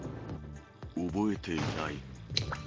覚えていない。